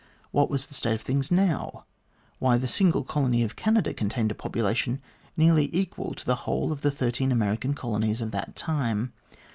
What was the state of things now ? Why, the single colony of Canada contained a population nearly equal to the whole of the thirteen American colonies of that time.